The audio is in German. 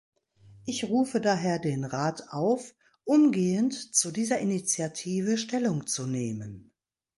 Ich rufe daher den Rat auf, umgehend zu dieser Initiative Stellung zu nehmen.